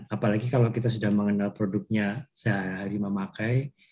apalagi kalau kita sudah mengenal produknya sehari memakai